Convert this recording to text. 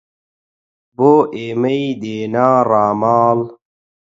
بۆ ئێمەی دێنا ڕاماڵ